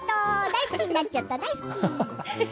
大好きになっちゃった、大好き。